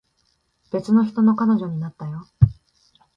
別の人の彼女になったよ